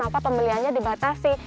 maka pembeliannya dibatasi